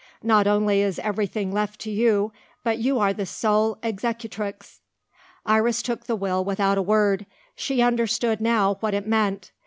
Not only is everything left to you, but you are the sole executrix." Iris took the will without a word. She understood, now, what it meant.